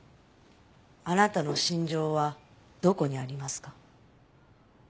あなたの信条はどこにありますか？